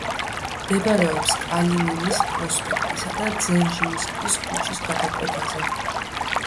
მდებარეობს კალინინის პროსპექტისა და ძერჟინსკის ქუჩის გადაკვეთაზე.